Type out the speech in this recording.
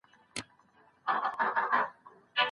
د طلاق په مستعمل لفظ پوري تړلي شرطونه.